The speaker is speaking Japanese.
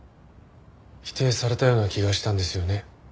否定されたような気がしたんですよね